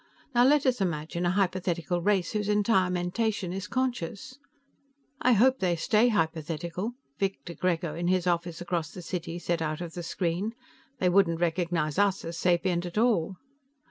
Now let us imagine a hypothetical race whose entire mentation is conscious." "I hope they stay hypothetical," Victor Grego, in his office across the city, said out of the screen. "They wouldn't recognize us as sapient at all."